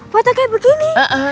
foto kayak begini